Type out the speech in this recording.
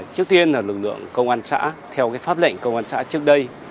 trước tiên là lực lượng công an xã theo pháp lệnh công an xã trước đây